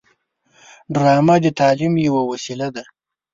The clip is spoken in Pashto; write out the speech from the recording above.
ډرامه د تعلیم یوه وسیله ده